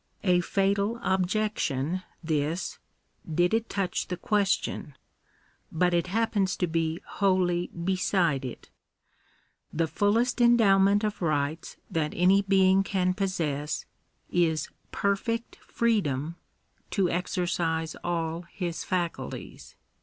A fatal objection this, did it touch the question ; but it happens to be wholly beside it. The fullest endowment of rights that any being oan possess, is perfect freedom to exer cise all his faculties.